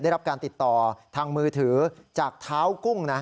ได้รับการติดต่อทางมือถือจากเท้ากุ้งนะ